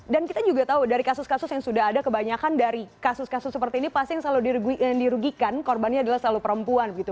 dan kita juga tahu dari kasus kasus yang sudah ada kebanyakan dari kasus kasus seperti ini pasti yang selalu dirugikan korbannya adalah selalu perempuan gitu